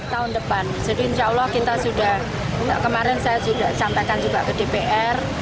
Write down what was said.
tahun depan jadi insya allah kita sudah kemarin saya sudah sampaikan juga ke dpr